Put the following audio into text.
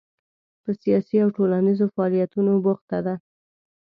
په سیاسي او ټولنیزو فعالیتونو بوخته ده.